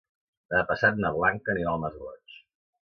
Demà passat na Blanca anirà al Masroig.